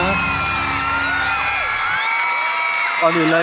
ยังเพราะความสำคัญ